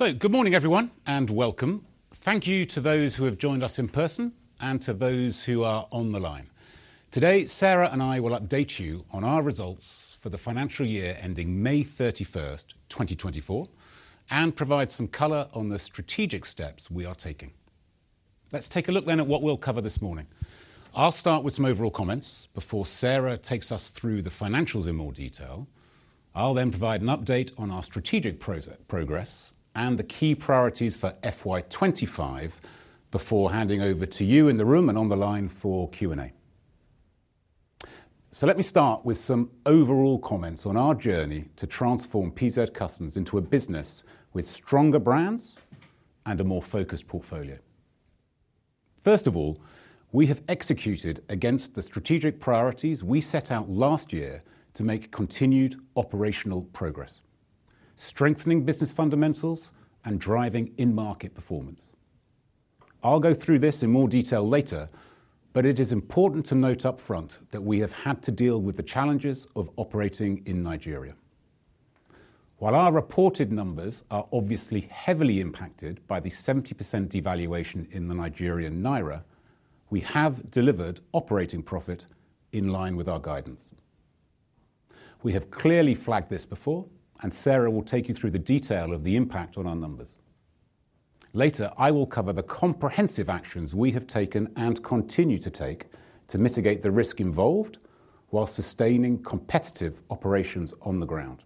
Good morning, everyone, and welcome. Thank you to those who have joined us in person and to those who are on the line. Today, Sarah and I will update you on our results for the financial year ending May 31st, 2024, and provide some color on the strategic steps we are taking. Let's take a look then at what we'll cover this morning. I'll start with some overall comments before Sarah takes us through the financials in more detail. I'll then provide an update on our strategic progress, and the key priorities for FY 2025, before handing over to you in the room and on the line for Q&A. So let me start with some overall comments on our journey to transform PZ Cussons into a business with stronger brands and a more focused portfolio. First of all, we have executed against the strategic priorities we set out last year to make continued operational progress, strengthening business fundamentals and driving in-market performance. I'll go through this in more detail later, but it is important to note upfront that we have had to deal with the challenges of operating in Nigeria. While our reported numbers are obviously heavily impacted by the 70% devaluation in the Nigerian naira, we have delivered operating profit in line with our guidance. We have clearly flagged this before, and Sarah will take you through the detail of the impact on our numbers. Later, I will cover the comprehensive actions we have taken and continue to take to mitigate the risk involved while sustaining competitive operations on the ground.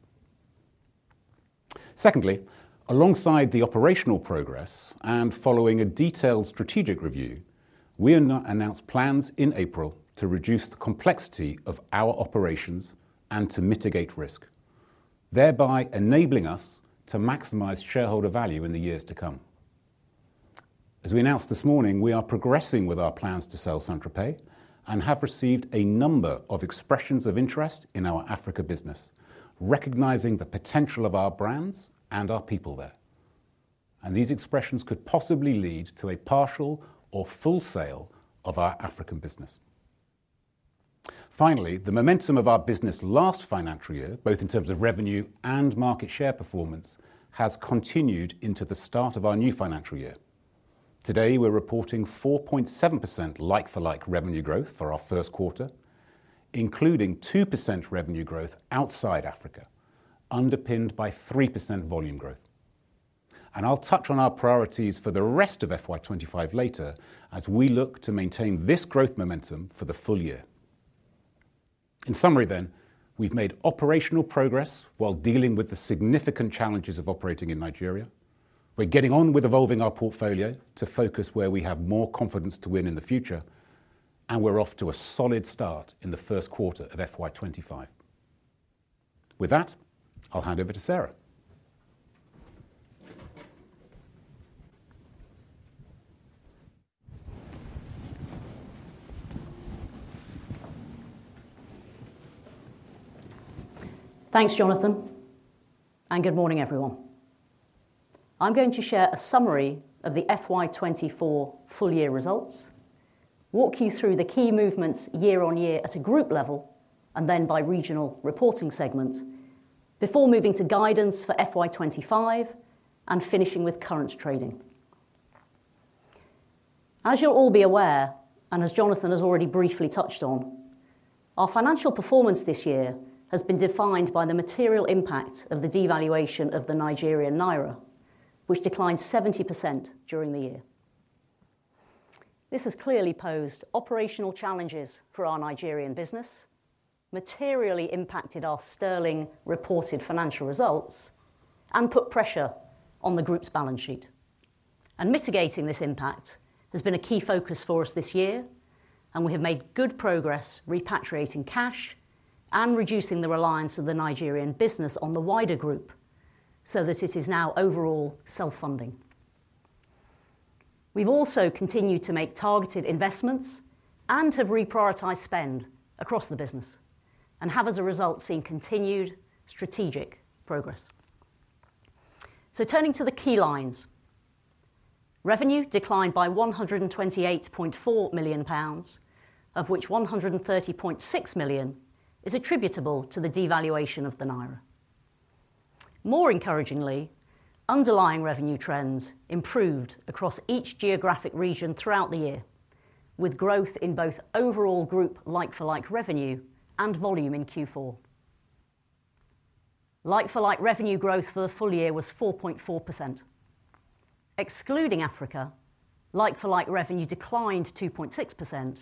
Secondly, alongside the operational progress and following a detailed strategic review, we announced plans in April to reduce the complexity of our operations and to mitigate risk, thereby enabling us to maximize shareholder value in the years to come. As we announced this morning, we are progressing with our plans to sell St. Tropez and have received a number of expressions of interest in our Africa business, recognizing the potential of our brands and our people there. And these expressions could possibly lead to a partial or full sale of our African business. Finally, the momentum of our business last financial year, both in terms of revenue and market share performance, has continued into the start of our new financial year. Today, we're reporting 4.7% like-for-like revenue growth for our Q1, including 2% revenue growth outside Africa, underpinned by 3% volume growth. And I'll touch on our priorities for the rest of FY 2025 later as we look to maintain this growth momentum for the full year. In summary then, we've made operational progress while dealing with the significant challenges of operating in Nigeria. We're getting on with evolving our portfolio to focus where we have more confidence to win in the future, and we're off to a solid start in the Q1 of FY 2025. With that, I'll hand over to Sarah. Thanks, Jonathan, and good morning, everyone. I'm going to share a summary of the FY twenty-four full year results, walk you through the key movements year on year at a group level, and then by regional reporting segments, before moving to guidance for FY 2025 and finishing with current trading. As you'll all be aware, and as Jonathan has already briefly touched on, our financial performance this year has been defined by the material impact of the devaluation of the Nigerian naira, which declined 70% during the year. This has clearly posed operational challenges for our Nigerian business, materially impacted our sterling reported financial results, and put pressure on the group's balance sheet. Mitigating this impact has been a key focus for us this year, and we have made good progress repatriating cash and reducing the reliance of the Nigerian business on the wider group so that it is now overall self-funding. We've also continued to make targeted investments and have reprioritized spend across the business, and have, as a result, seen continued strategic progress. Turning to the key lines, revenue declined by 128.4 million pounds, of which 130.6 million is attributable to the devaluation of the naira. More encouragingly, underlying revenue trends improved across each geographic region throughout the year, with growth in both overall group like-for-like revenue and volume in Q4. Like-for-like revenue growth for the full year was 4.4%. Excluding Africa, like-for-like revenue declined to 2.6%,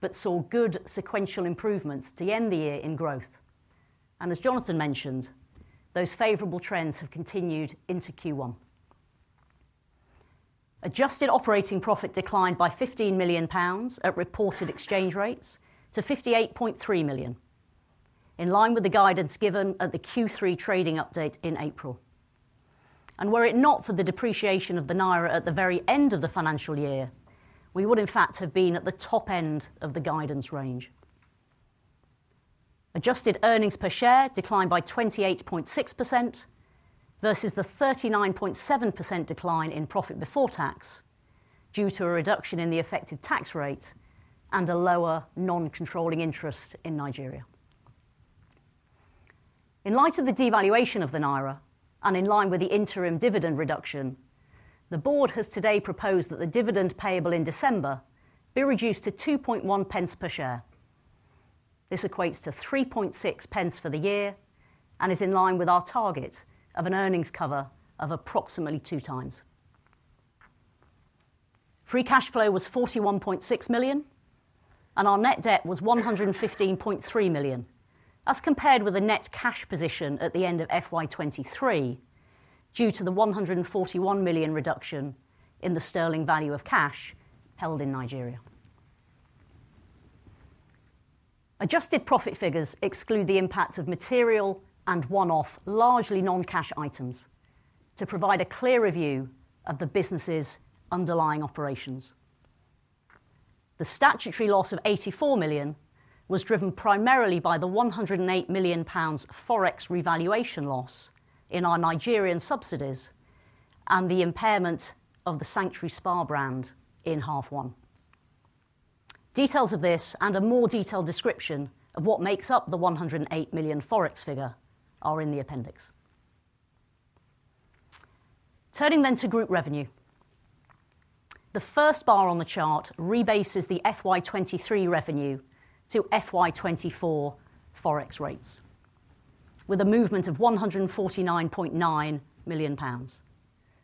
but saw good sequential improvements to end the year in growth. And as Jonathan mentioned, those favorable trends have continued into Q1. Adjusted operating profit declined by 15 million pounds at reported exchange rates to 58.3 million, in line with the guidance given at the Q3 trading update in April. And were it not for the depreciation of the naira at the very end of the financial year, we would in fact have been at the top end of the guidance range. Adjusted earnings per share declined by 28.6% versus the 39.7% decline in profit before tax, due to a reduction in the effective tax rate and a lower non-controlling interest in Nigeria. In light of the devaluation of the naira, and in line with the interim dividend reduction, the board has today proposed that the dividend payable in December be reduced to 2.1 pence per share. This equates to 3.6 pence for the year, and is in line with our target of an earnings cover of approximately two times. Free cash flow was 41.6 million, and our net debt was 115.3 million. That's compared with a net cash position at the end of FY 2023, due to the 141 million reduction in the sterling value of cash held in Nigeria. Adjusted profit figures exclude the impact of material and one-off, largely non-cash items, to provide a clearer view of the business's underlying operations. The statutory loss of 84 million was driven primarily by the 108 million pounds Forex revaluation loss in our Nigerian subsidiaries and the impairment of the Sanctuary Spa brand in half one. Details of this, and a more detailed description of what makes up the 108 million Forex figure, are in the appendix. Turning then to group revenue. The first bar on the chart rebases the FY 2023 revenue to FY 2024 Forex rates, with a movement of 149.9 million pounds,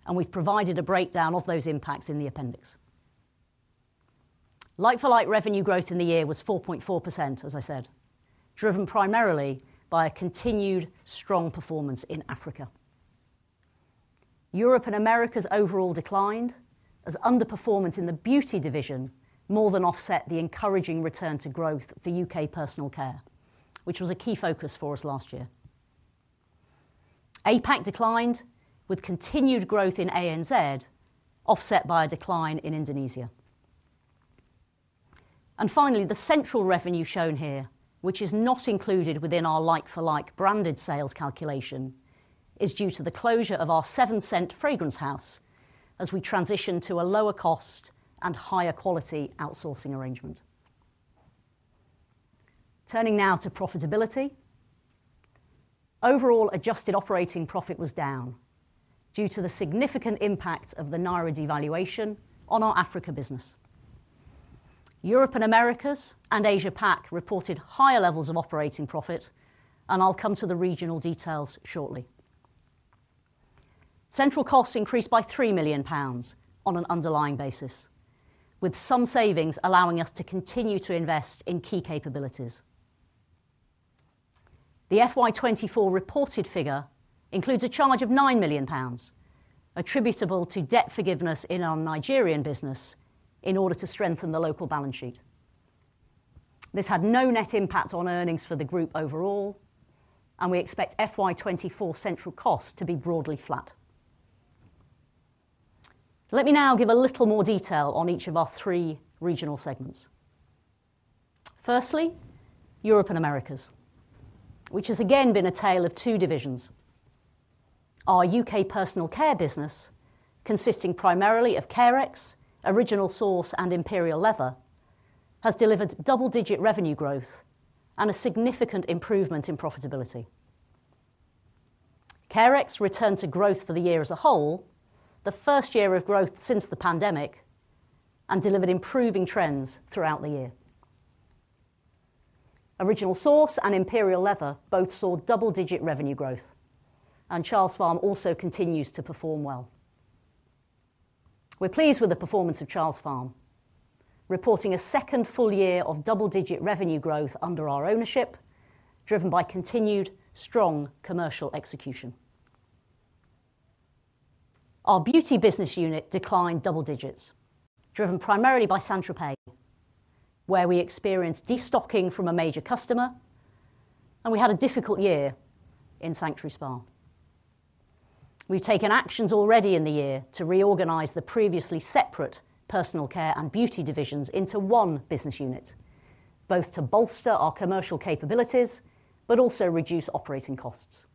and we've provided a breakdown of those impacts in the appendix. Like-for-like revenue growth in the year was 4.4%, as I said, driven primarily by a continued strong performance in Africa. Europe and Americas overall declined, as underperformance in the beauty division more than offset the encouraging return to growth for U.K. personal care, which was a key focus for us last year. APAC declined, with continued growth in ANZ, offset by a decline in Indonesia. And finally, the central revenue shown here, which is not included within our like-for-like branded sales calculation, is due to the closure of our Seven Scent fragrance house as we transition to a lower cost and higher quality outsourcing arrangement. Turning now to profitability. Overall adjusted operating profit was down due to the significant impact of the naira devaluation on our Africa business. Europe and Americas and Asia Pac reported higher levels of operating profit, and I'll come to the regional details shortly. Central costs increased by 3 million pounds on an underlying basis, with some savings allowing us to continue to invest in key capabilities. The FY 2024 reported figure includes a charge of 9 million pounds, attributable to debt forgiveness in our Nigerian business in order to strengthen the local balance sheet. This had no net impact on earnings for the group overall, and we expect FY 2024 central costs to be broadly flat. Let me now give a little more detail on each of our three regional segments. Firstly, Europe and Americas, which has again been a tale of two divisions. Our UK personal care business, consisting primarily of Carex, Original Source, and Imperial Leather, has delivered double-digit revenue growth and a significant improvement in profitability. Carex returned to growth for the year as a whole, the first year of growth since the pandemic, and delivered improving trends throughout the year. Original Source and Imperial Leather both saw double-digit revenue growth, and Childs Farm also continues to perform well. We're pleased with the performance of Childs Farm, reporting a second full year of double-digit revenue growth under our ownership, driven by continued strong commercial execution. Our beauty business unit declined double digits, driven primarily by St. Tropez, where we experienced destocking from a major customer, and we had a difficult year in Sanctuary Spa. We've taken actions already in the year to reorganize the previously separate personal care and beauty divisions into one business unit, both to bolster our commercial capabilities but also reduce operating costs.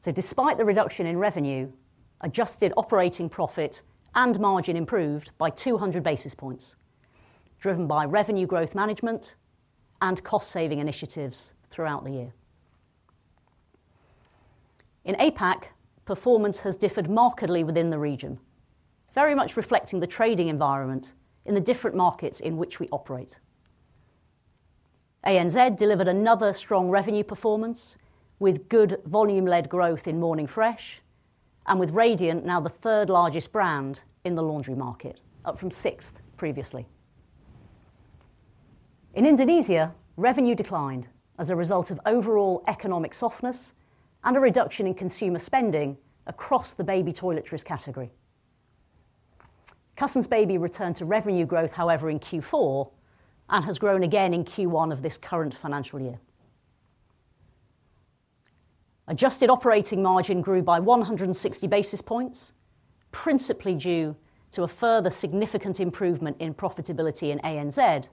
So despite the reduction in revenue, adjusted operating profit and margin improved by two hundred basis points, driven by revenue growth management and cost-saving initiatives throughout the year. In APAC, performance has differed markedly within the region, very much reflecting the trading environment in the different markets in which we operate. ANZ delivered another strong revenue performance with good volume-led growth in Morning Fresh, and with Radiant now the third largest brand in the laundry market, up from sixth previously. In Indonesia, revenue declined as a result of overall economic softness and a reduction in consumer spending across the baby toiletries category. Cussons Baby returned to revenue growth, however, in Q4 and has grown again in Q1 of this current financial year. Adjusted operating margin grew by 160 basis points, principally due to a further significant improvement in profitability in ANZ,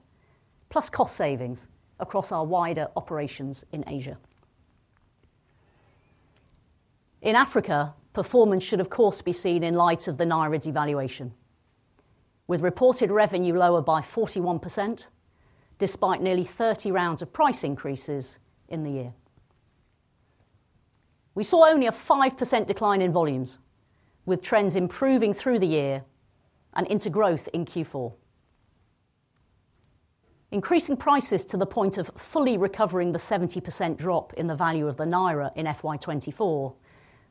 plus cost savings across our wider operations in Asia. In Africa, performance should of course be seen in light of the Naira devaluation, with reported revenue lower by 41%, despite nearly 30 rounds of price increases in the year. We saw only a 5% decline in volumes, with trends improving through the year and into growth in Q4. Increasing prices to the point of fully recovering the 70% drop in the value of the Naira in FY 2024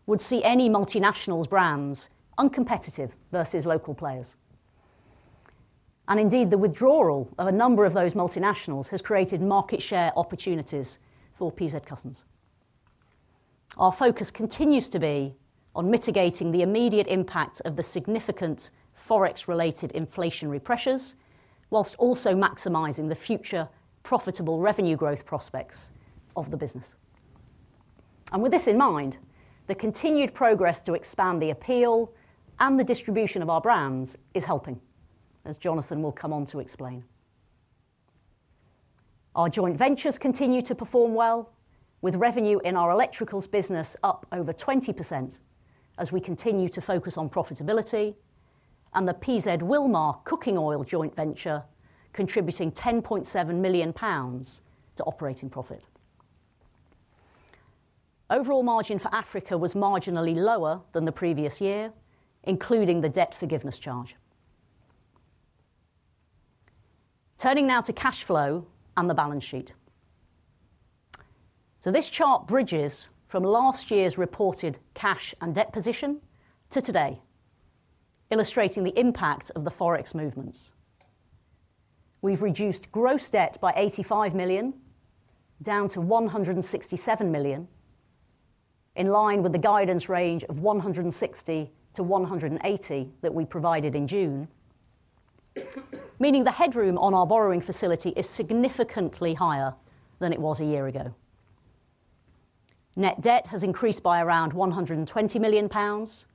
would see any multinationals' brands uncompetitive versus local players, and indeed, the withdrawal of a number of those multinationals has created market share opportunities for PZ Cussons. Our focus continues to be on mitigating the immediate impact of the significant Forex-related inflationary pressures, while also maximizing the future profitable revenue growth prospects of the business. And with this in mind, the continued progress to expand the appeal and the distribution of our brands is helping, as Jonathan will come on to explain. Our joint ventures continue to perform well, with revenue in our electricals business up over 20% as we continue to focus on profitability and the PZ Wilmar cooking oil joint venture, contributing 10.7 million pounds to operating profit. Overall margin for Africa was marginally lower than the previous year, including the debt forgiveness charge. Turning now to cash flow and the balance sheet. So this chart bridges from last year's reported cash and debt position to today, illustrating the impact of the Forex movements. We've reduced gross debt by 85 million, down to 167 million, in line with the guidance range of 160-180 that we provided in June. Meaning the headroom on our borrowing facility is significantly higher than it was a year ago. Net debt has increased by around 120 million pounds,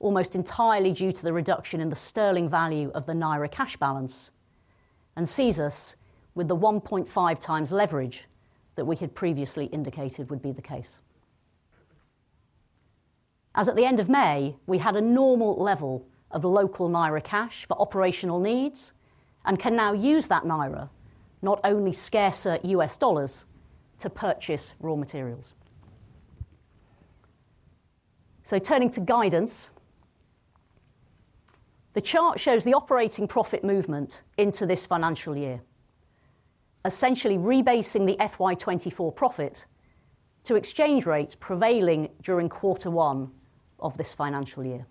almost entirely due to the reduction in the sterling value of the Naira cash balance, and sees us with the 1.5 times leverage that we had previously indicated would be the case. As at the end of May, we had a normal level of local Naira cash for operational needs and can now use that Naira, not only scarcer US dollars, to purchase raw materials. So turning to guidance, the chart shows the operating profit movement into this financial year, essentially rebasing the FY twenty-four profit to exchange rates prevailing during Quarter One of this financial year.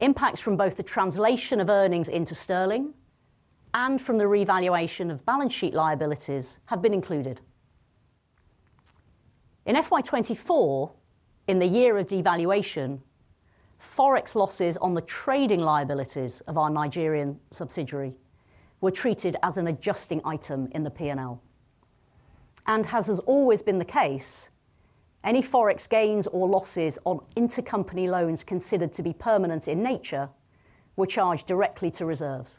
Impacts from both the translation of earnings into sterling and from the revaluation of balance sheet liabilities have been included. In FY twenty-four, in the year of devaluation, Forex losses on the trading liabilities of our Nigerian subsidiary were treated as an adjusting item in the P&L, and as has always been the case, any Forex gains or losses on intercompany loans considered to be permanent in nature, were charged directly to reserves.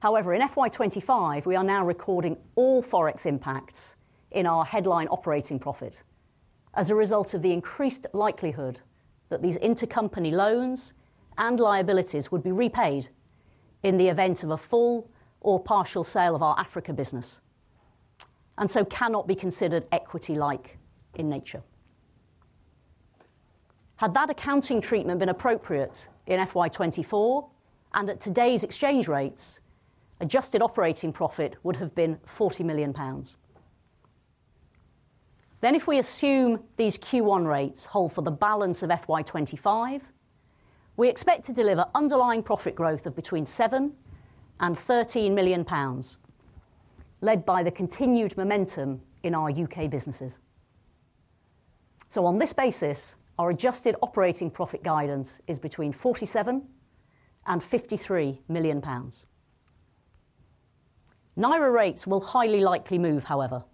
However, in FY 2025, we are now recording all Forex impacts in our headline operating profit as a result of the increased likelihood that these intercompany loans and liabilities would be repaid in the event of a full or partial sale of our Africa business, and so cannot be considered equity-like in nature. Had that accounting treatment been appropriate in FY 2024 and at today's exchange rates, adjusted operating profit would have been 40 million pounds. Then, if we assume these Q1 rates hold for the balance of FY 2025, we expect to deliver underlying profit growth of between 7 million and 13 million pounds, led by the continued momentum in our U.K. businesses. So on this basis, our adjusted operating profit guidance is between 47 million and 53 million pounds. Naira rates will highly likely move, however,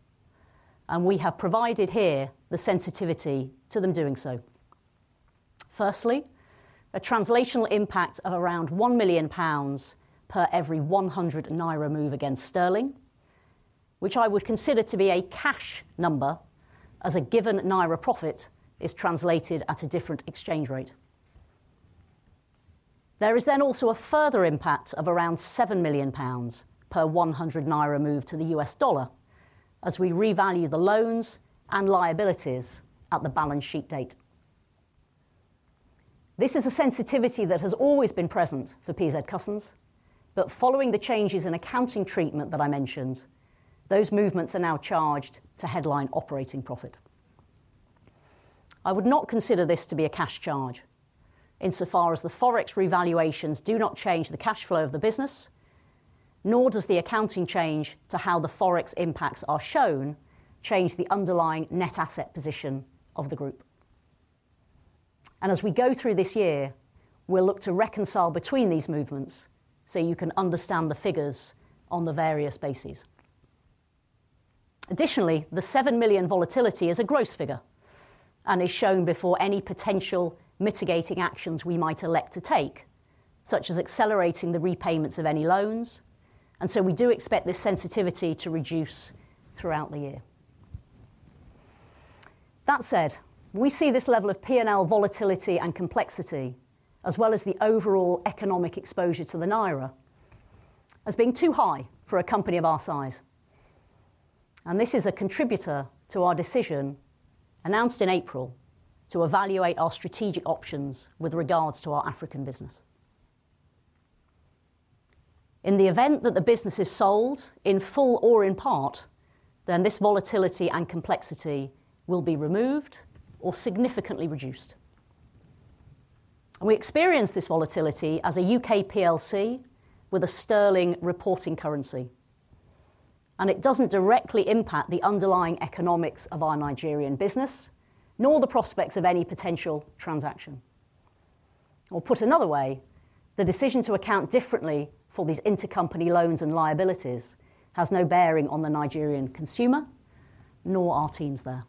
and we have provided here the sensitivity to them doing so. Firstly, a translational impact of around 1 million pounds per every 100 naira move against sterling, which I would consider to be a cash number, as a given Naira profit is translated at a different exchange rate. There is then also a further impact of around 7 million pounds per 100 naira move to the USD as we revalue the loans and liabilities at the balance sheet date. This is a sensitivity that has always been present for PZ Cussons, but following the changes in accounting treatment that I mentioned, those movements are now charged to headline operating profit. I would not consider this to be a cash charge insofar as the Forex revaluations do not change the cash flow of the business, nor does the accounting change to how the Forex impacts are shown, change the underlying net asset position of the group. And as we go through this year, we'll look to reconcile between these movements so you can understand the figures on the various bases. Additionally, the seven million volatility is a gross figure, and is shown before any potential mitigating actions we might elect to take, such as accelerating the repayments of any loans, and so we do expect this sensitivity to reduce throughout the year. That said, we see this level of P&L volatility and complexity, as well as the overall economic exposure to the naira, as being too high for a company of our size, and this is a contributor to our decision, announced in April, to evaluate our strategic options with regards to our African business. In the event that the business is sold in full or in part, then this volatility and complexity will be removed or significantly reduced. We experience this volatility as a UK PLC with a sterling reporting currency, and it doesn't directly impact the underlying economics of our Nigerian business, nor the prospects of any potential transaction. Or put another way, the decision to account differently for these intercompany loans and liabilities has no bearing on the Nigerian consumer, nor our teams there.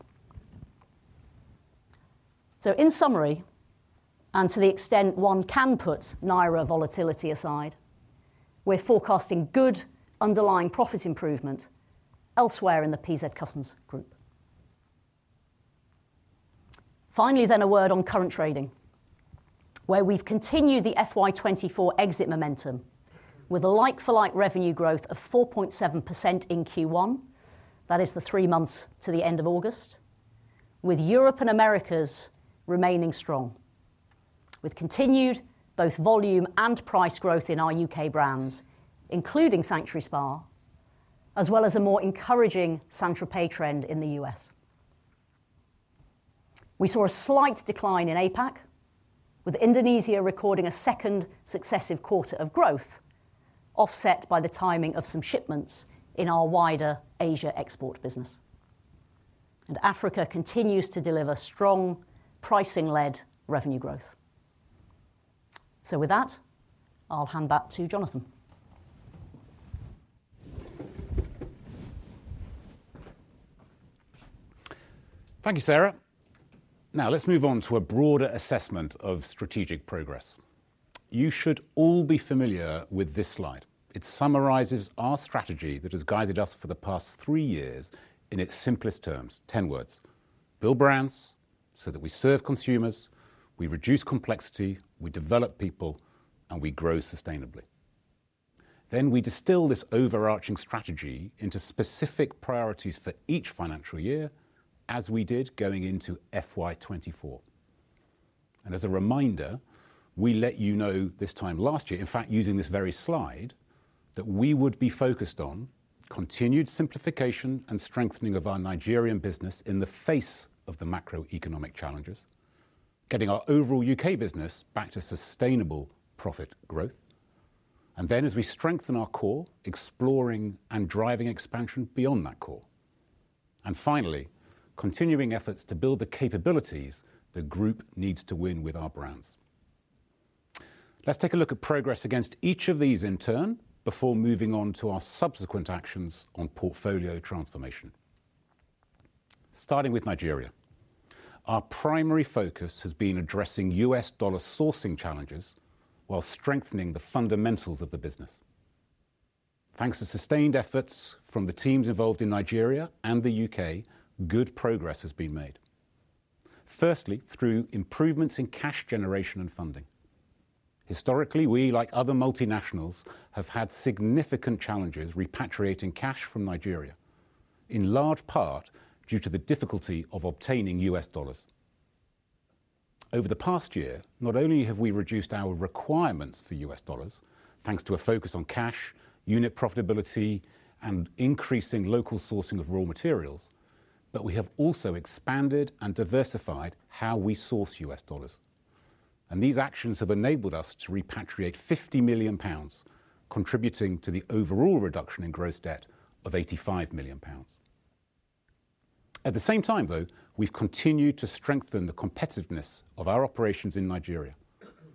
So in summary, and to the extent one can put naira volatility aside, we're forecasting good underlying profit improvement elsewhere in the PZ Cussons Group. Finally, then a word on current trading, where we've continued the FY 2024 exit momentum with a like-for-like revenue growth of 4.7% in Q1. That is the three months to the end of August, with Europe and Americas remaining strong, with continued both volume and price growth in our UK brands, including Sanctuary Spa, as well as a more encouraging St. Tropez trend in the U.S. We saw a slight decline in APAC, with Indonesia recording a second successive quarter of growth, offset by the timing of some shipments in our wider Asia export business, and Africa continues to deliver strong pricing-led revenue growth. So with that, I'll hand back to Jonathan. Thank you, Sarah. Now, let's move on to a broader assessment of strategic progress. You should all be familiar with this slide. It summarizes our strategy that has guided us for the past three years in its simplest terms, 10 words: build brands so that we serve consumers, we reduce complexity, we develop people, and we grow sustainably. Then we distill this overarching strategy into specific priorities for each financial year, as we did going into FY 2024. As a reminder, we let you know this time last year, in fact, using this very slide, that we would be focused on continued simplification and strengthening of our Nigerian business in the face of the macroeconomic challenges, getting our overall U.K. business back to sustainable profit growth, and then, as we strengthen our core, exploring and driving expansion beyond that core, and finally, continuing efforts to build the capabilities the group needs to win with our brands. Let's take a look at progress against each of these in turn before moving on to our subsequent actions on portfolio transformation. Starting with Nigeria, our primary focus has been addressing U.S. dollar sourcing challenges while strengthening the fundamentals of the business. Thanks to sustained efforts from the teams involved in Nigeria and the U.K., good progress has been made. Firstly, through improvements in cash generation and funding. Historically, we, like other multinationals, have had significant challenges repatriating cash from Nigeria, in large part due to the difficulty of obtaining US dollars. Over the past year, not only have we reduced our requirements for US dollars, thanks to a focus on cash, unit profitability, and increasing local sourcing of raw materials, but we have also expanded and diversified how we source US dollars, and these actions have enabled us to repatriate 50 million pounds, contributing to the overall reduction in gross debt of 85 million pounds. At the same time, though, we've continued to strengthen the competitiveness of our operations in Nigeria.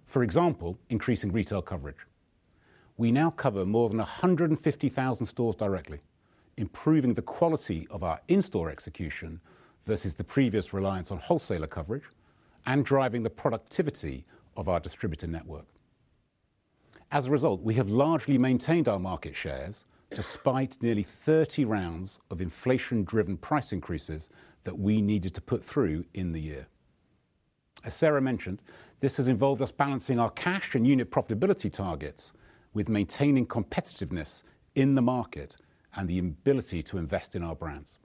For example, increasing retail coverage. We now cover more than 150,000 stores directly, improving the quality of our in-store execution versus the previous reliance on wholesaler coverage and driving the productivity of our distributor network. As a result, we have largely maintained our market shares, despite nearly thirty rounds of inflation-driven price increases that we needed to put through in the year. As Sarah mentioned, this has involved us balancing our cash and unit profitability targets with maintaining competitiveness in the market and the ability to invest in our brands.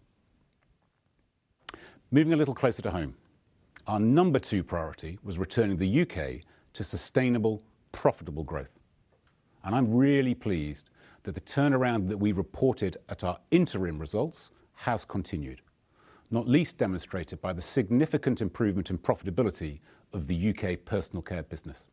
Moving a little closer to home, our number two priority was returning the UK to sustainable, profitable growth, and I'm really pleased that the turnaround that we reported at our interim results has continued, not least demonstrated by the significant improvement in profitability of the UK personal care business.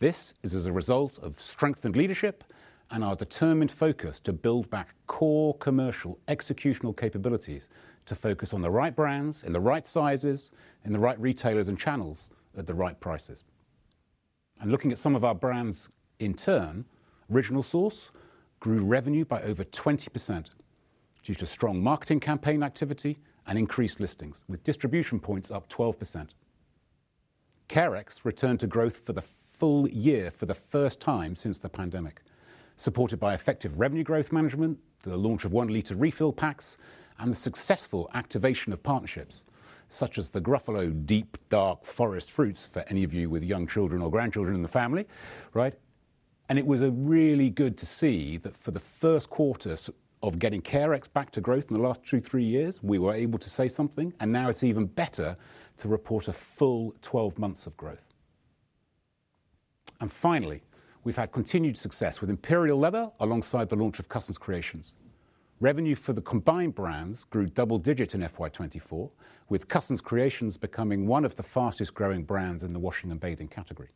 This is as a result of strengthened leadership and our determined focus to build back core commercial executional capabilities to focus on the right brands, in the right sizes, in the right retailers and channels, at the right prices. Looking at some of our brands in turn, Original Source grew revenue by over 20% due to strong marketing campaign activity and increased listings, with distribution points up 12%. Carex returned to growth for the full year for the first time since the pandemic, supported by effective revenue growth management, the launch of one-liter refill packs, and the successful activation of partnerships, such as the Gruffalo Deep Dark Forest Fruits, for any of you with young children or grandchildren in the family, right? It was a really good to see that for the Q1 of getting Carex back to growth in the last two, three years, we were able to say something, and now it's even better to report a full 12 months of growth. Finally, we've had continued success with Imperial Leather, alongside the launch of Cussons Creations. Revenue for the combined brands grew double digit in FY twenty-four, with Cussons Creations becoming one of the fastest growing brands in the washing and bathing category.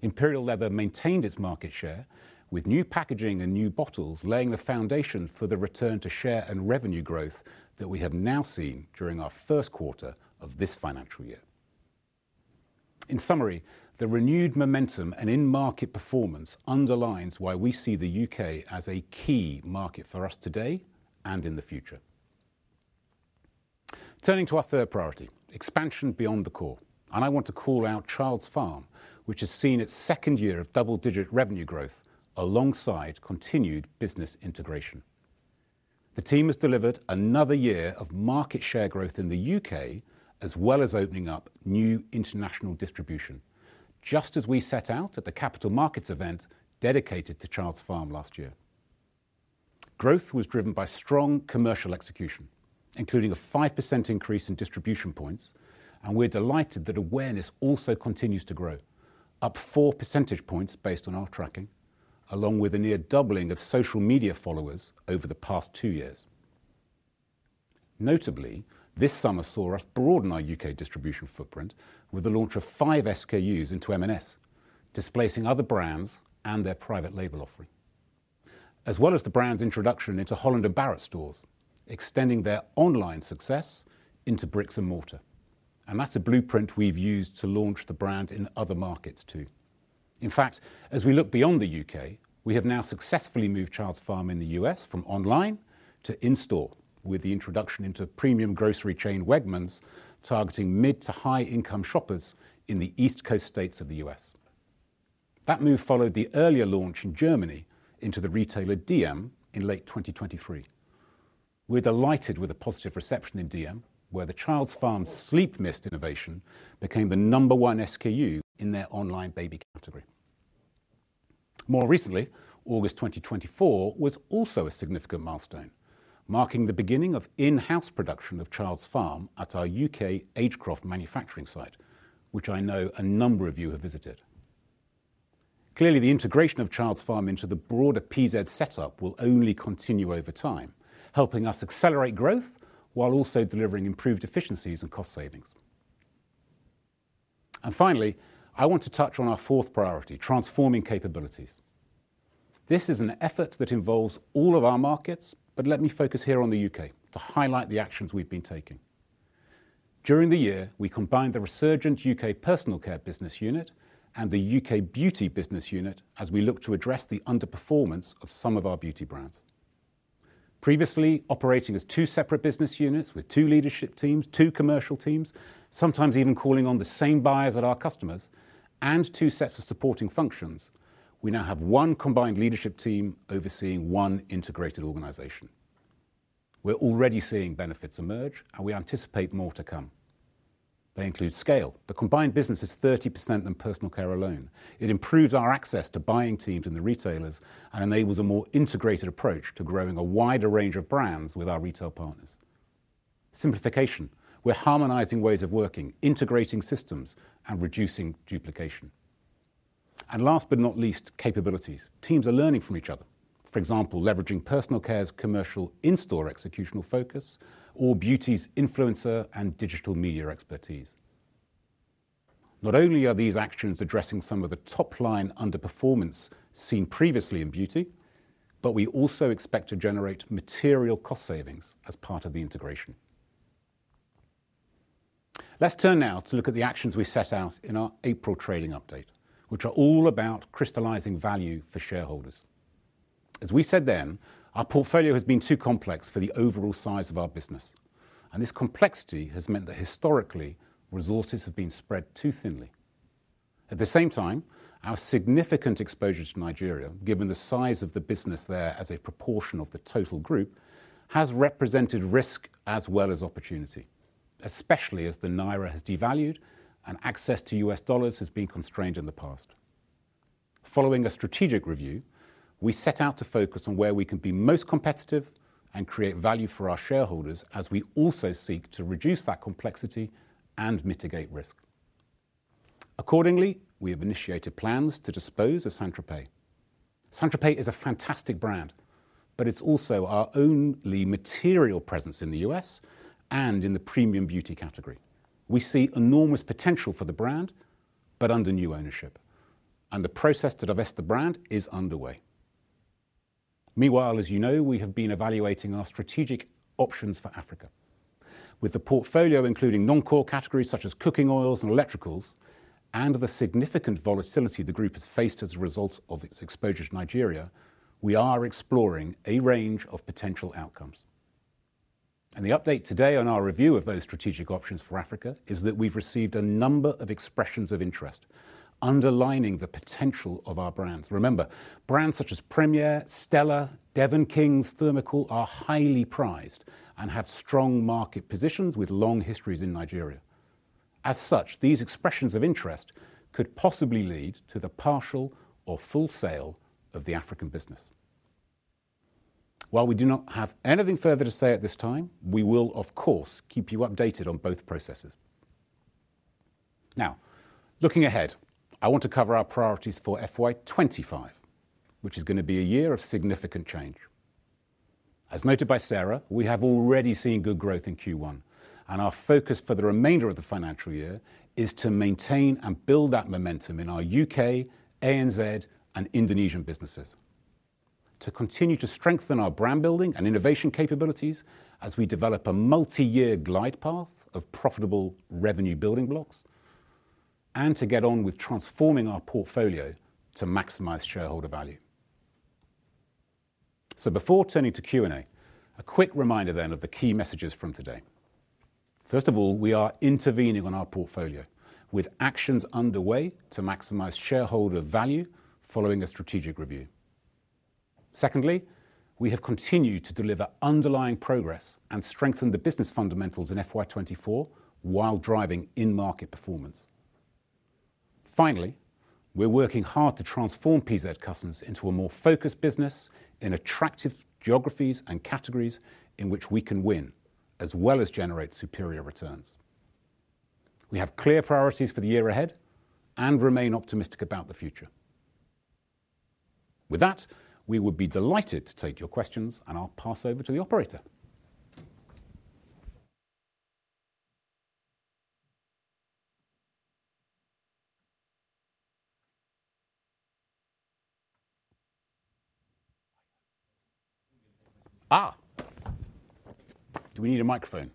Imperial Leather maintained its market share with new packaging and new bottles, laying the foundation for the return to share and revenue growth that we have now seen during our Q1 of this financial year. In summary, the renewed momentum and in-market performance underlines why we see the UK as a key market for us today and in the future. Turning to our third priority, expansion beyond the core, and I want to call out Childs Farm, which has seen its second year of double-digit revenue growth alongside continued business integration. The team has delivered another year of market share growth in the UK, as well as opening up new international distribution, just as we set out at the capital markets event dedicated to Childs Farm last year. Growth was driven by strong commercial execution, including a 5% increase in distribution points, and we're delighted that awareness also continues to grow, up four percentage points based on our tracking, along with a near doubling of social media followers over the past two years. Notably, this summer saw us broaden our UK distribution footprint with the launch of five SKUs into M&S, displacing other brands and their private label offering, as well as the brand's introduction into Holland & Barrett stores, extending their online success into bricks and mortar, and that's a blueprint we've used to launch the brand in other markets, too. In fact, as we look beyond the U.K., we have now successfully moved Childs Farm in the U.S. from online to in-store with the introduction into premium grocery chain Wegmans, targeting mid to high-income shoppers in the East Coast states of the U.S. That move followed the earlier launch in Germany into the retailer DM in late 2023. We're delighted with the positive reception in DM, where the Childs Farm Sleep Mist innovation became the number one SKU in their online baby category. More recently, August 2024 was also a significant milestone, marking the beginning of in-house production of Childs Farm at our U.K. Agecroft manufacturing site, which I know a number of you have visited. Clearly, the integration of Childs Farm into the broader PZ setup will only continue over time, helping us accelerate growth, while also delivering improved efficiencies and cost savings. And finally, I want to touch on our fourth priority, transforming capabilities. This is an effort that involves all of our markets, but let me focus here on the UK to highlight the actions we've been taking. During the year, we combined the resurgent UK Personal Care business unit and the UK Beauty business unit as we look to address the underperformance of some of our beauty brands. Previously operating as two separate business units with two leadership teams, two commercial teams, sometimes even calling on the same buyers at our customers and two sets of supporting functions, we now have one combined leadership team overseeing one integrated organization. We're already seeing benefits emerge, and we anticipate more to come. They include scale. The combined business is 30% in personal care alone. It improves our access to buying teams and the retailers and enables a more integrated approach to growing a wider range of brands with our retail partners. Simplification. We're harmonizing ways of working, integrating systems, and reducing duplication, and last but not least, capabilities. Teams are learning from each other. For example, leveraging personal care's commercial in-store executional focus or beauty's influencer and digital media expertise. Not only are these actions addressing some of the top-line underperformance seen previously in beauty, but we also expect to generate material cost savings as part of the integration. Let's turn now to look at the actions we set out in our April trading update, which are all about crystallizing value for shareholders. As we said then, our portfolio has been too complex for the overall size of our business, and this complexity has meant that historically, resources have been spread too thinly. At the same time, our significant exposure to Nigeria, given the size of the business there as a proportion of the total group, has represented risk as well as opportunity, especially as the Naira has devalued and access to US dollars has been constrained in the past. Following a strategic review, we set out to focus on where we can be most competitive and create value for our shareholders as we also seek to reduce that complexity and mitigate risk. Accordingly, we have initiated plans to dispose of St. Tropez. St. Tropez is a fantastic brand, but it's also our only material presence in the US and in the premium beauty category. We see enormous potential for the brand, but under new ownership, and the process to divest the brand is underway.... Meanwhile, as you know, we have been evaluating our strategic options for Africa. With the portfolio, including non-core categories such as cooking oils and electricals, and the significant volatility the group has faced as a result of its exposure to Nigeria, we are exploring a range of potential outcomes, and the update today on our review of those strategic options for Africa is that we've received a number of expressions of interest, underlining the potential of our brands. Remember, brands such as Premier, Stella, Devon King's, Thermocool, are highly prized and have strong market positions with long histories in Nigeria. As such, these expressions of interest could possibly lead to the partial or full sale of the African business. While we do not have anything further to say at this time, we will, of course, keep you updated on both processes. Now, looking ahead, I want to cover our priorities for FY 2025, which is going to be a year of significant change. As noted by Sarah, we have already seen good growth in Q1, and our focus for the remainder of the financial year is to maintain and build that momentum in our UK, ANZ, and Indonesian businesses. To continue to strengthen our brand building and innovation capabilities as we develop a multi-year glide path of profitable revenue building blocks, and to get on with transforming our portfolio to maximize shareholder value. So before turning to Q&A, a quick reminder then of the key messages from today. First of all, we are intervening on our portfolio, with actions underway to maximize shareholder value following a strategic review. Secondly, we have continued to deliver underlying progress and strengthen the business fundamentals in FY 2024 while driving in-market performance. Finally, we're working hard to transform PZ Cussons into a more focused business in attractive geographies and categories in which we can win, as well as generate superior returns. We have clear priorities for the year ahead and remain optimistic about the future. With that, we would be delighted to take your questions, and I'll pass over to the operator. Ah! Do we need a microphone?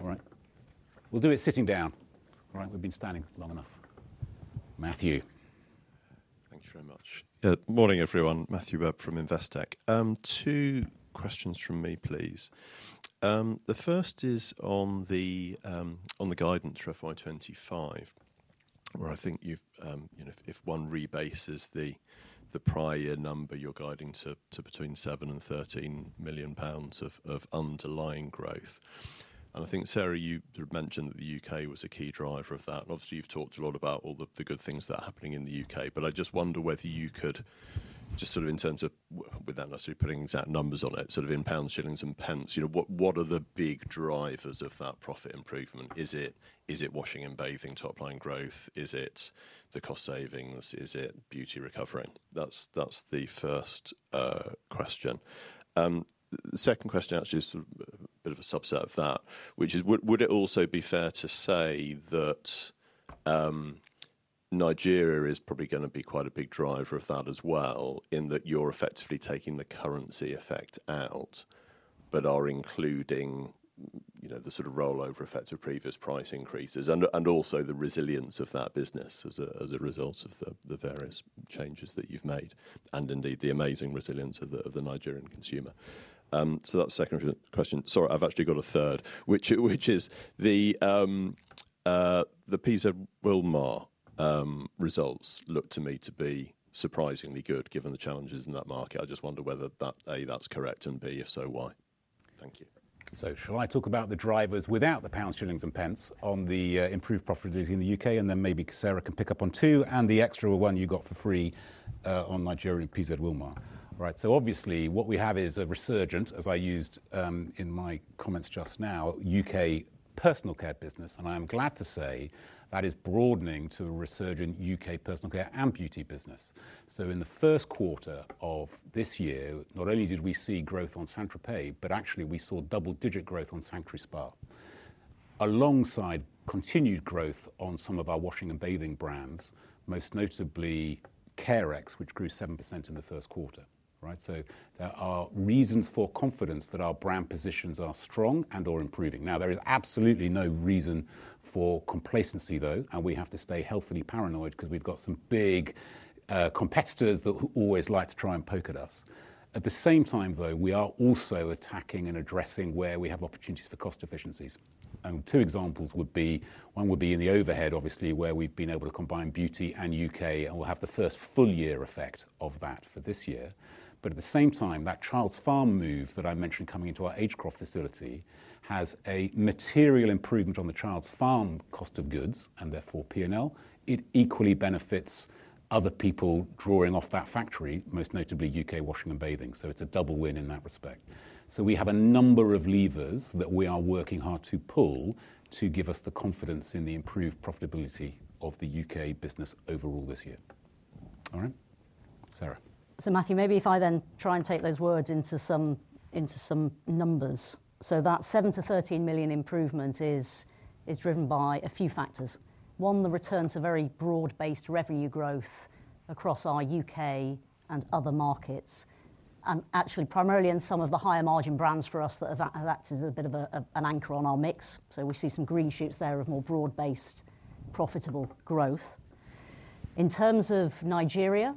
All right, we'll do it sitting down. All right, we've been standing long enough. Matthew. Thank you very much. Morning, everyone. Matthew Webb from Investec. Two questions from me, please. The first is on the guidance for FY 2025, where I think you've, you know, if one rebases the prior number, you're guiding to between 7 million and 13 million pounds of underlying growth. And I think, Sarah, you sort of mentioned that the UK was a key driver of that, and obviously, you've talked a lot about all the good things that are happening in the UK. But I just wonder whether you could just sort of in terms of without necessarily putting exact numbers on it, sort of in pounds, shillings, and pence, you know, what are the big drivers of that profit improvement? Is it washing and bathing top-line growth? Is it the cost savings? Is it beauty recovering? That's the first question. The second question actually is sort of a bit of a subset of that, which is would it also be fair to say that Nigeria is probably gonna be quite a big driver of that as well, in that you're effectively taking the currency effect out, but are including, you know, the sort of rollover effects of previous price increases and also the resilience of that business as a result of the various changes that you've made, and indeed, the amazing resilience of the Nigerian consumer? So that's the second question. Sorry, I've actually got a third, which is the PZ Wilmar results look to me to be surprisingly good, given the challenges in that market. I just wonder whether that, A, that's correct, and B, if so, why? Thank you. So shall I talk about the drivers without the pounds, shillings, and pence on the improved profitability in the UK, and then maybe Sarah can pick up on two and the extra one you got for free on Nigeria and PZ Wilmar? Right. So obviously, what we have is a resurgent, as I used in my comments just now, UK personal care business, and I am glad to say that is broadening to a resurgent UK personal care and beauty business. So in the Q1 of this year, not only did we see growth on St. Tropez, but actually we saw double-digit growth on Sanctuary Spa. Alongside continued growth on some of our washing and bathing brands, most notably Carex, which grew 7% in the Q1, right? So there are reasons for confidence that our brand positions are strong and/or improving. Now, there is absolutely no reason for complacency, though, and we have to stay healthily paranoid because we've got some big competitors that would always like to try and poke at us. At the same time, though, we are also attacking and addressing where we have opportunities for cost efficiencies. And two examples would be: one would be in the overhead, obviously, where we've been able to combine beauty and UK, and we'll have the first full year effect of that for this year. But at the same time, that Childs Farm move that I mentioned coming into our Agecroft facility has a material improvement on the Childs Farm cost of goods and therefore P&L. It equally benefits other people drawing off that factory, most notably UK washing and bathing. So it's a double win in that respect. So we have a number of levers that we are working hard to pull to give us the confidence in the improved profitability of the UK business overall this year. All right. Sarah? So, Matthew, maybe if I then try and take those words into some numbers. That £7-13 million improvement is driven by a few factors. One, the return to very broad-based revenue growth across our U.K. and other markets. Actually, primarily in some of the higher margin brands for us that have acted as a bit of an anchor on our mix, so we see some green shoots there of more broad-based, profitable growth. In terms of Nigeria,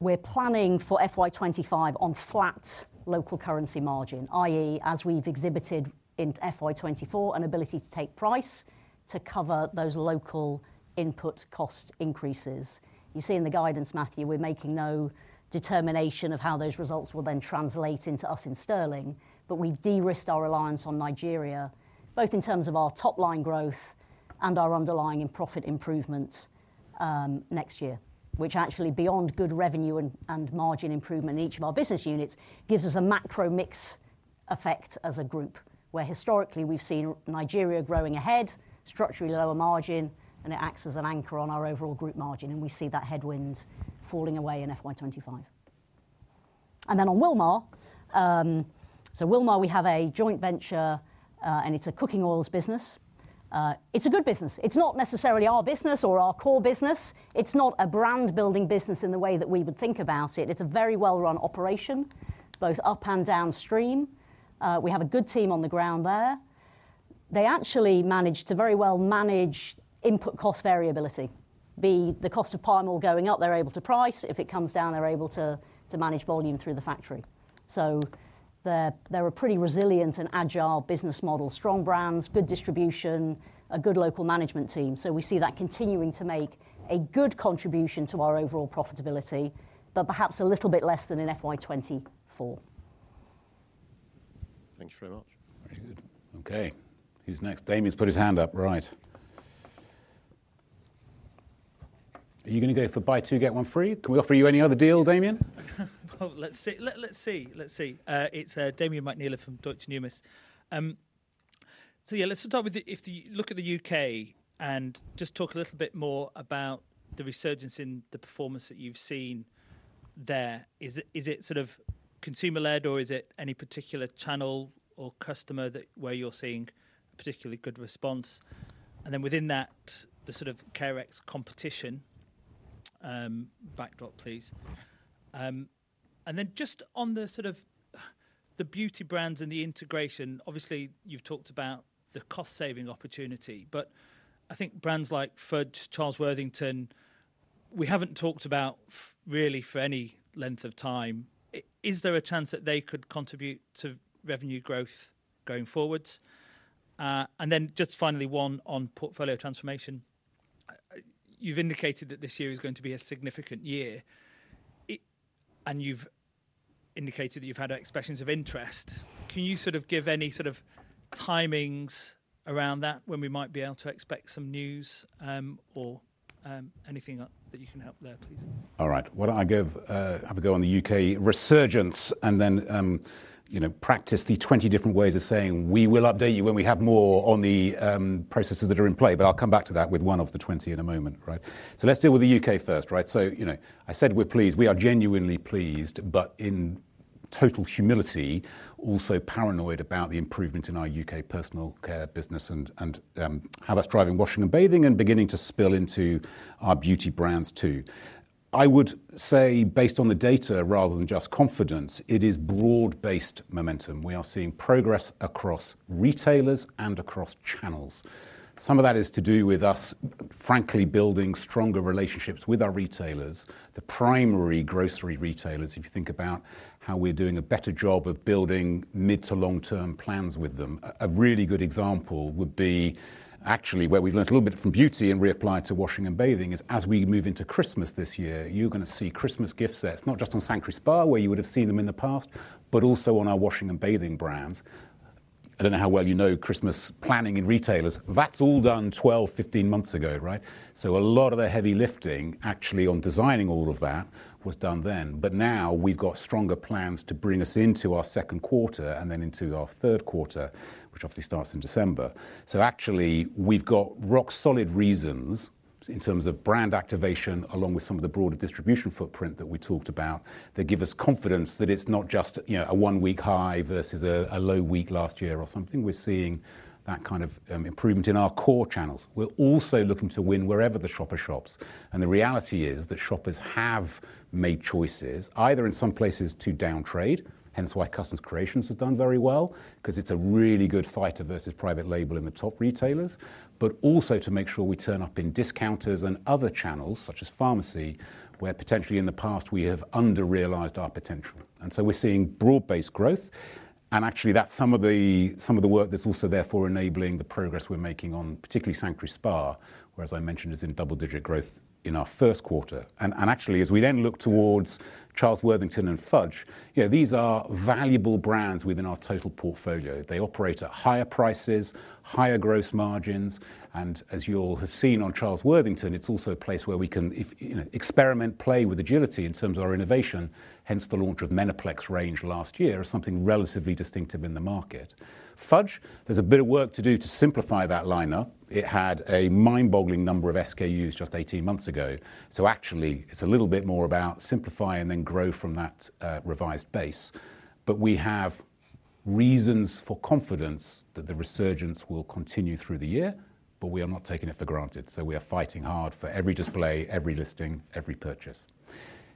we're planning for FY 2025 on flat local currency margin, i.e., as we've exhibited in FY 2024, an ability to take price to cover those local input cost increases. You see in the guidance, Matthew, we're making no determination of how those results will then translate into us in sterling, but we've de-risked our reliance on Nigeria, both in terms of our top-line growth and our underlying and profit improvements, next year, which actually, beyond good revenue and margin improvement in each of our business units, gives us a macro mix effect as a group, where historically we've seen Nigeria growing ahead, structurally lower margin, and it acts as an anchor on our overall group margin, and we see that headwind falling away in FY 2025. Then on Wilmar, so Wilmar, we have a joint venture, and it's a cooking oils business. It's a good business. It's not necessarily our business or our core business. It's not a brand-building business in the way that we would think about it. It's a very well-run operation, both up and downstream. We have a good team on the ground there. They actually manage to very well manage input cost variability. Whether the cost of palm oil going up, they're able to price; if it comes down, they're able to manage volume through the factory. So they're a pretty resilient and agile business model, strong brands, good distribution, a good local management team. So we see that continuing to make a good contribution to our overall profitability, but perhaps a little bit less than in FY 2024. Thank you very much. Very good. Okay, who's next? Damian's put his hand up, right. Are you going to go for buy two, get one free? Can we offer you any other deal, Damian? It's Damian McNeil from Deutsche Numis. So yeah, let's start with the, if you look at the UK and just talk a little bit more about the resurgence in the performance that you've seen there. Is it sort of consumer-led, or is it any particular channel or customer that, where you're seeing particularly good response? And then within that, the sort of Carex competition backdrop, please. And then just on the sort of beauty brands and the integration, obviously, you've talked about the cost-saving opportunity, but I think brands like Fudge, Charles Worthington, we haven't talked about really for any length of time. Is there a chance that they could contribute to revenue growth going forward? And then just finally, one on portfolio transformation. You've indicated that this year is going to be a significant year, and you've indicated that you've had expressions of interest. Can you sort of give any sort of timings around that, when we might be able to expect some news, or anything that you can help there, please? All right. Why don't I have a go on the UK resurgence and then, you know, practice the twenty different ways of saying, "We will update you when we have more on the processes that are in play," but I'll come back to that with one of the twenty in a moment, right? So let's deal with the UK first, right? So, you know, I said we're pleased. We are genuinely pleased, but in total humility, also paranoid about the improvement in our UK personal care business and how that's driving washing and bathing and beginning to spill into our beauty brands too. I would say, based on the data rather than just confidence, it is broad-based momentum. We are seeing progress across retailers and across channels. Some of that is to do with us, frankly, building stronger relationships with our retailers, the primary grocery retailers, if you think about how we're doing a better job of building mid- to long-term plans with them. A really good example would be actually where we've learned a little bit from beauty and reapplied to washing and bathing is, as we move into Christmas this year, you're going to see Christmas gift sets, not just on Sanctuary Spa, where you would have seen them in the past, but also on our washing and bathing brands. I don't know how well you know Christmas planning in retailers. That's all done 12, 15 months ago, right? So a lot of the heavy lifting, actually on designing all of that, was done then. But now we've got stronger plans to bring us into our Q2 and then into our Q3, which obviously starts in December. So actually, we've got rock-solid reasons in terms of brand activation, along with some of the broader distribution footprint that we talked about, that give us confidence that it's not just, you know, a one-week high versus a low week last year or something. We're seeing that kind of improvement in our core channels. We're also looking to win wherever the shopper shops, and the reality is that shoppers have made choices, either in some places to down trade, hence why Cussons Creations has done very well, 'cause it's a really good fighter versus private label in the top retailers, but also to make sure we turn up in discounters and other channels, such as pharmacy, where potentially in the past we have under-realized our potential. And so we're seeing broad-based growth, and actually, that's some of the, some of the work that's also therefore enabling the progress we're making on particularly Sanctuary Spa, where, as I mentioned, is in double-digit growth in our Q1. And, and actually, as we then look towards Charles Worthington and Fudge, you know, these are valuable brands within our total portfolio. They operate at higher prices, higher gross margins, and as you all have seen on Charles Worthington, it's also a place where we can if, you know, experiment, play with agility in terms of our innovation, hence the launch of MenoPlex range last year as something relatively distinctive in the market. Fudge, there's a bit of work to do to simplify that lineup. It had a mind-boggling number of SKUs just 18 months ago, so actually, it's a little bit more about simplify and then grow from that revised base. But we have reasons for confidence that the resurgence will continue through the year, but we are not taking it for granted. So we are fighting hard for every display, every listing, every purchase.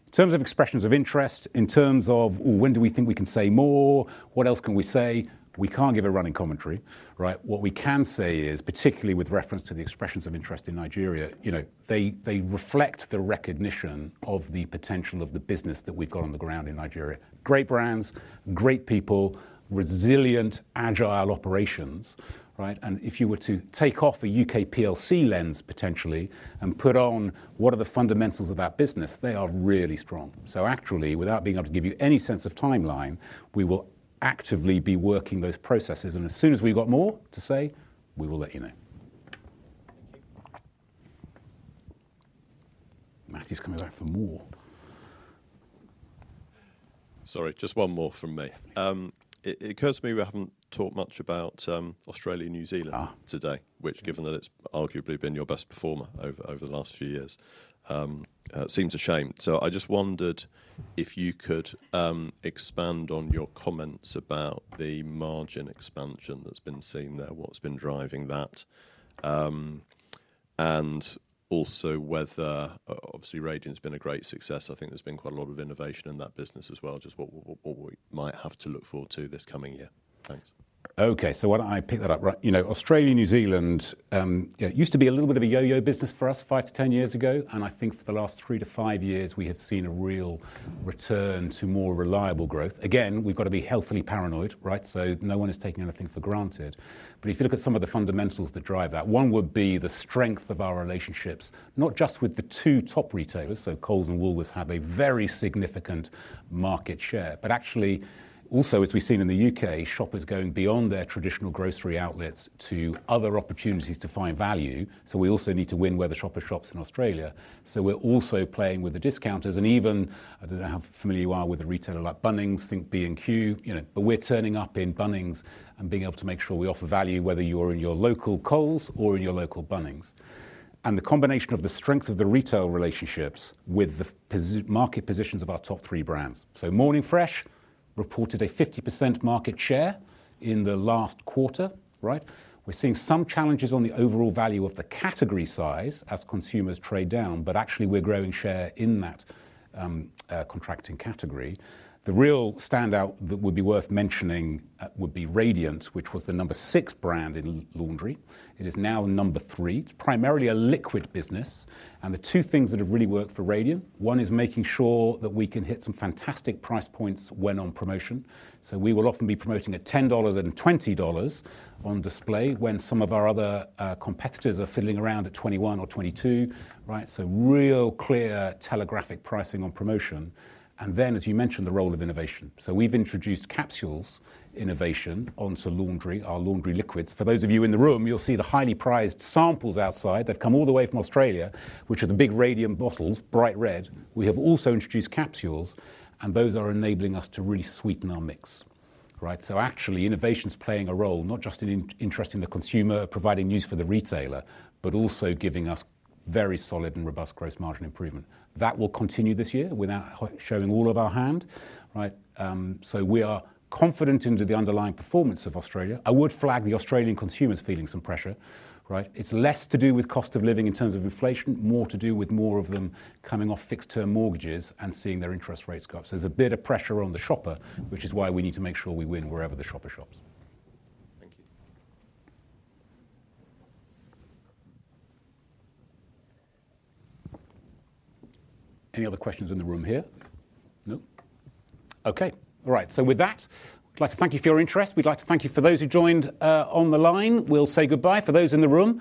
In terms of expressions of interest, in terms of when do we think we can say more? What else can we say? We can't give a running commentary, right? What we can say is, particularly with reference to the expressions of interest in Nigeria, you know, they, they reflect the recognition of the potential of the business that we've got on the ground in Nigeria. Great brands, great people, resilient, agile operations, right? And if you were to take off a UK PLC lens, potentially, and put on what are the fundamentals of that business, they are really strong. So actually, without being able to give you any sense of timeline, we will actively be working those processes, and as soon as we've got more to say, we will let you know. Thank you. Matthew's coming back for more. Sorry, just one more from me. Definitely. It occurs to me we haven't talked much about Australia, New Zealand- Ah. today, which, given that it's arguably been your best performer over the last few years, seems a shame. So I just wondered if you could expand on your comments about the margin expansion that's been seen there, what's been driving that? And also whether... Obviously, Radiant's been a great success. I think there's been quite a lot of innovation in that business as well. Just what we might have to look forward to this coming year. Thanks. Okay. So why don't I pick that up, right? You know, Australia, New Zealand, it used to be a little bit of a yo-yo business for us five to 10 years ago, and I think for the last three to five years, we have seen a real return to more reliable growth. Again, we've got to be healthily paranoid, right? So no one is taking anything for granted. But if you look at some of the fundamentals that drive that, one would be the strength of our relationships, not just with the two top retailers, so Coles and Woolworths have a very significant market share, but actually, also, as we've seen in the UK, shoppers going beyond their traditional grocery outlets to other opportunities to find value. So we also need to win where the shopper shops in Australia. So we're also playing with the discounters and even, I don't know how familiar you are with a retailer like Bunnings, think B&Q, you know, but we're turning up in Bunnings and being able to make sure we offer value, whether you are in your local Coles or in your local Bunnings. And the combination of the strength of the retail relationships with the market positions of our top three brands. So Morning Fresh reported a 50% market share in the last quarter, right? We're seeing some challenges on the overall value of the category size as consumers trade down, but actually, we're growing share in that contracting category. The real standout that would be worth mentioning would be Radiant, which was the number six brand in laundry. It is now number three. It's primarily a liquid business, and the two things that have really worked for Radiant, one is making sure that we can hit some fantastic price points when on promotion. So we will often be promoting at 10 dollars and 20 dollars on display when some of our other competitors are fiddling around at 21 or 22, right? So real clear telegraphic pricing on promotion. And then, as you mentioned, the role of innovation. So we've introduced capsules innovation onto laundry, our laundry liquids. For those of you in the room, you'll see the highly prized samples outside. They've come all the way from Australia, which are the big Radiant bottles, bright red. We have also introduced capsules, and those are enabling us to really sweeten our mix, right? So actually, innovation is playing a role, not just in interesting the consumer, providing news for the retailer, but also giving us very solid and robust gross margin improvement. That will continue this year without showing all of our hand, right? So we are confident in the underlying performance of Australia. I would flag the Australian consumer's feeling some pressure, right? It's less to do with cost of living in terms of inflation, more to do with more of them coming off fixed-term mortgages and seeing their interest rates go up. So there's a bit of pressure on the shopper, which is why we need to make sure we win wherever the shopper shops. Thank you. Any other questions in the room here? No. Okay. All right. So with that, I'd like to thank you for your interest. We'd like to thank you for those who joined on the line. We'll say goodbye. For those in the room,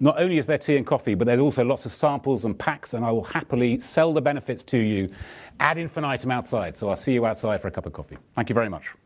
not only is there tea and coffee, but there's also lots of samples and packs, and I will happily sell the benefits to you ad infinitum outside. So I'll see you outside for a cup of coffee. Thank you very much.